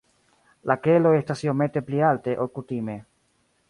La keloj estas iomete pli alte, ol kutime.